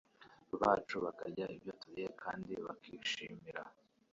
bacu, bakarya ibyo turiye, kandi bakishimira